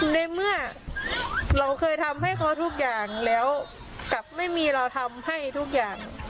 ในเมื่อเราเคยทำให้เขาทุกอย่างแล้วกลับไม่มีเราทำให้ทุกอย่าง